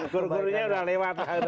goro goronya udah lewat